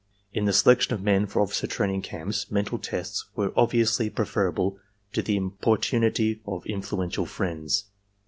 In the selection of men for officer training camps mental tests were ob viously preferable to the importunity of influential friends.